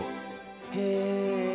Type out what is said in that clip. へえ。